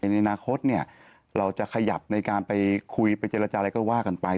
ในอนาคตเราจะขยับในการไปคุยไปเจรจาอะไรก็ว่ากันไป